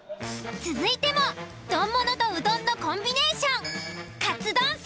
続いても丼ものとうどんのコンビネーション。